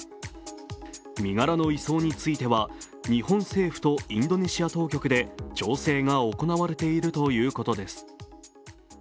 身柄の移送については日本政府とインドネシア当局で調整が行われているということです。